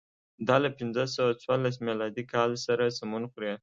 دا له پنځه سوه څوارلس میلادي کال سره سمون خوري.